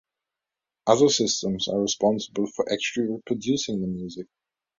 Other systems are responsible for actually reproducing the music.